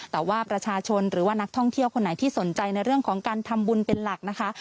แต่ว่าประชาชนหรือว่านักท่องเที่ยวคนไหนที่สนใจในเรื่องของการทำบุญเป็นหลักนะคะ